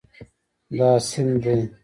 دا سیند دی